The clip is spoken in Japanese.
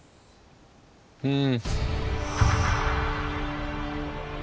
うん。